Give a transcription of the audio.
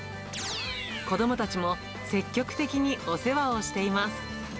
子どもたちも積極的にお世話をしています。